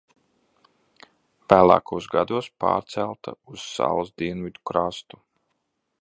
Vēlākos gados pārcelta uz salas dienvidu krastu.